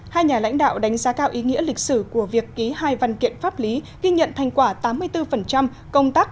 hai nhà lãnh đạo đánh giá cao ý nghĩa lịch sử của việc ký hai văn kiện pháp lý ghi nhận thành quả tám mươi bốn công tác